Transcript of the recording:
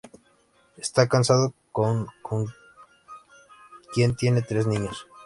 Está casado con con quien tiene tres niños.